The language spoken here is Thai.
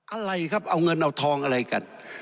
อะไรครับเอาเงินเอาทองอะไรกัน